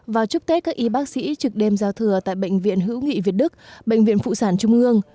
và chúc tết các y bác sĩ trực đêm giao thừa tại bệnh viện hữu nghị việt đức bệnh viện phụ sản trung ương